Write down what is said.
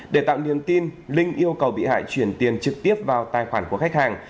để tạo niềm tin linh yêu cầu bị hại chuyển tiền trực tiếp vào tài khoản của khách hàng